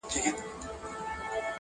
دا سړی ملامت نه بولم یارانو,